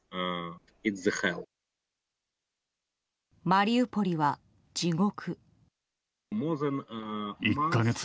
マリウポリは地獄。